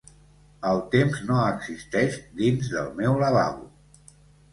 El temps no existeix dins del meu lavabo.